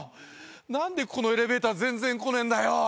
何でこのエレベーター全然来ねえんだよ